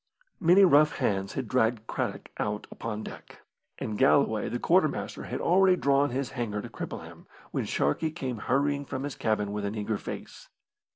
Many rough hands had dragged Craddock out upon deck, and Galloway, the quartermaster, had already drawn his hanger to cripple him, when Sharkey came hurrying from his cabin with an eager face.